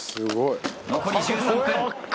残り１３分。